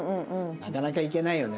なかなかいけないよね。